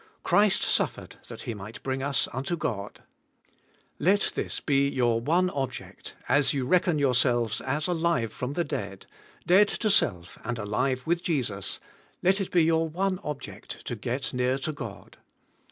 Christ suffered that He might bring us unto God. Let this be your one object, as you reckon yourselves as alive from the dead, dead to self and alive with Jesus, let it be your one ob ject to get near to God.